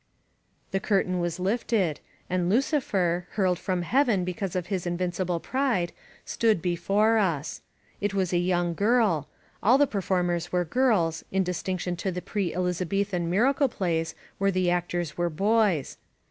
The curtain was lifted, and Lucifer^ hurled from Heaven because of his invincible pride, stood before us. It was a young girl — all the performers are girls, in distinction to the pre Elizabethan miracle plays, where the actors were boys.